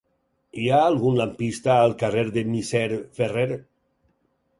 Hi ha algun lampista al carrer del Misser Ferrer?